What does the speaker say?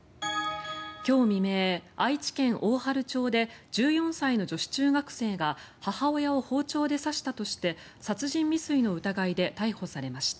今日未明、愛知県大治町で１４歳の女子中学生が母親を包丁で刺したとして殺人未遂の疑いで逮捕されました。